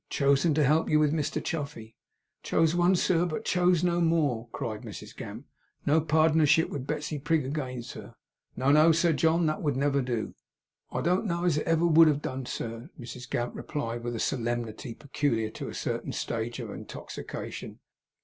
'Chosen to help you with Mr Chuffey!' 'Chose once, but chose no more,' cried Mrs Gamp. 'No pardnership with Betsey Prig agen, sir!' 'No, no,' said John. 'That would never do.' 'I don't know as it ever would have done, sir,' Mrs Gamp replied, with a solemnity peculiar to a certain stage of intoxication.